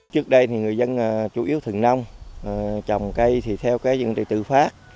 trước đây thì người dân chủ yếu thường nông trồng cây thì theo cái dân trị tự phát